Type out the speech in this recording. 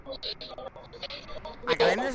mwandishi wetu wa arusha rodn tatels sindela